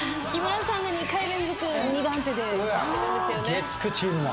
月９チームが。